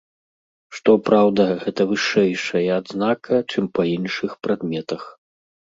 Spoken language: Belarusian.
Што праўда, гэта вышэйшая адзнака, чым па іншых прадметах.